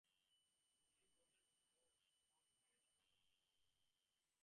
The three golden wolf hooks are in the bottom of the coat of arms.